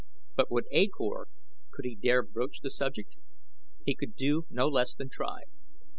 But would A Kor could he dare broach the subject? He could do no less than try.